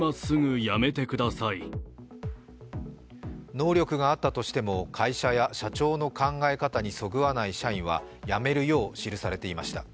能力があったとしても会社や社長の考えにそぐわない社員は辞めるよう記されていました。